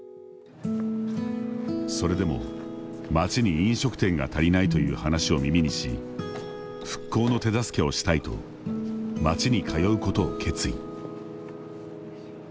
それでも、町に飲食店が足りないという話を耳にし復興の手助けをしたいと町に通うことを決意。